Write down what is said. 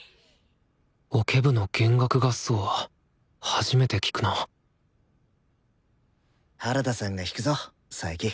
オケ部の弦楽合奏は初めて聴くな原田さんが弾くぞ佐伯。